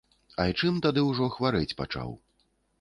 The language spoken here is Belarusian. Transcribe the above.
Айчым тады ўжо хварэць пачаў.